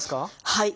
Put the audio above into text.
はい。